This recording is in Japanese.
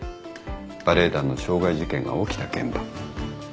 バレエ団の傷害事件が起きた現場。